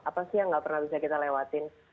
apa sih yang gak pernah bisa kita lewatin